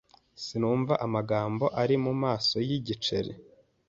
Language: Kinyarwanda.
Sinumva amagambo ari mumaso yigiceri.